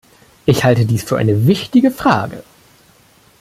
Ich halte dies für eine wichtige Frage.